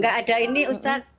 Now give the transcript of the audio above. gak ada ini ustad